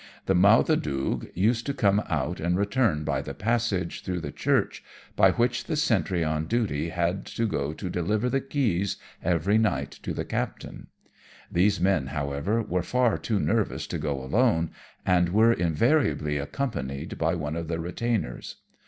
The Mauthe Doog used to come out and return by the passage through the church, by which the sentry on duty had to go to deliver the keys every night to the captain. These men, however, were far too nervous to go alone, and were invariably accompanied by one of the retainers.